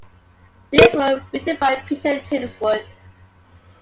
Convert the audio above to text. These were written by Peter Tinniswood.